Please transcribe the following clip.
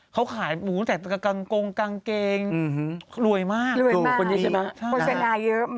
เขาขายโอ้โหแต่กังกงกางเกงรวยมากโฆษณาเยอะมาก